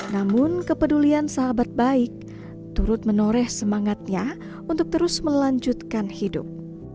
namun kepedulian sahabat baik turut menoreh semangatnya untuk terus melanjutkan hidup